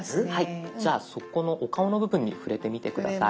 じゃあそこのお顔の部分に触れてみて下さい。